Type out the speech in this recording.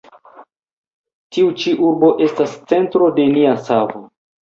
Tiu ĉi urbo estas centro de nia savo.